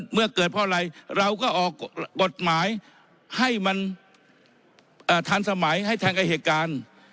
เมื่อเกิดเพราะอะไรเราก็ออกกฎหมายให้มันทันสมัยให้แทนกับเหตุการณ์